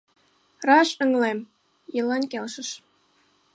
— Раш, ыҥлем, — Елань келшыш